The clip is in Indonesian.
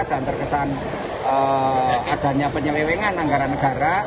terkesan adanya penyelewengan anggaran negara